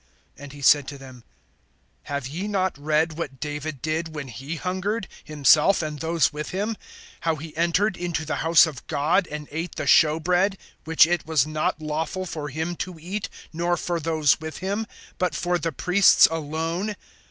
(3)And he said to them: Have ye not read what David did, when he hungered, himself and those with him; (4)how he entered into the house of God, and ate the show bread, which it was not lawful for him to eat, nor for those with him, but for the priests alone?